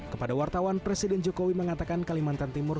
kepada wartawan presiden jokowi mengatakan kalimantan timur